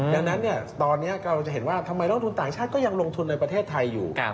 ดังนั้นตอนนี้เราจะเห็นว่าทำไมลงทุนต่างชาติก็ยังลงทุนในประเทศไทยอยู่